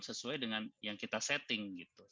sesuai dengan yang kita setting gitu